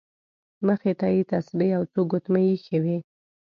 مخې ته یې تسبیح او څو ګوتمۍ ایښې وې.